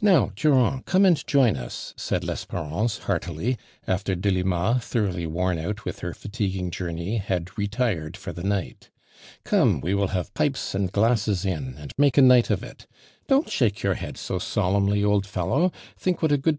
"Now, Durand, come and join us," said Lesperance, heartily, after Delima, tho roughly worn out with her fatiguing jour ney, had retired for the night. "Come, we will have pipes and glasses in ami make a night of It I Don't shake your head so solemnly, old fellow. Think what a good ARMAND DURAND.